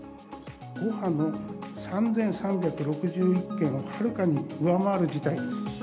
第５波の３３６１件を、はるかに上回る事態です。